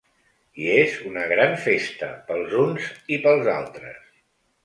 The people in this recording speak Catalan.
I és una gran festa, pels uns i pels altres.